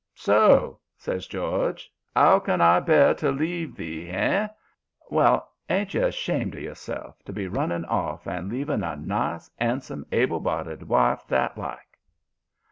"'So?' says George. ''Ow can I bear to leave thee, 'ey? Well, ain't you ashamed of yourself to be running off and leaving a nice, 'andsome, able bodied wife that like?